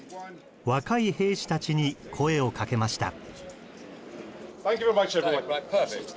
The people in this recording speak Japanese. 若い兵士たちに声をかけました。